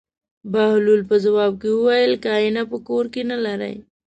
بهلول په ځواب کې وویل: که اېنه په کور کې نه لرې.